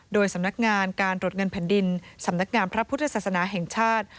โดยสำนักงานการตรวจเงินแผ่นดินสำนักงามพระพุทธศาสนาแห่งชาติ